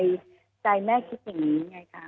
อย่างนี้ใจแม่คิดอย่างนี้ไงคะ